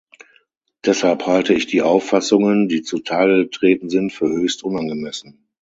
Deshalb halte ich die Auffassungen, die zutage getreten sind, für höchst unangemessen.